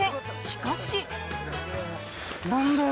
しかし。